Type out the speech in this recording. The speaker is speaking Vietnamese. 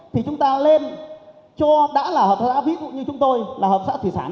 thì chúng ta lên cho đã là hợp tác xã ví dụ như chúng tôi là hợp tác xã thủy sản